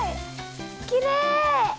きれい！